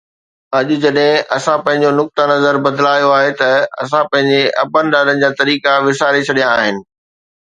اڄ جڏهن اسان پنهنجو نقطه نظر بدلايو آهي ته اسان پنهنجي ابن ڏاڏن جا طريقا وساري ڇڏيا آهن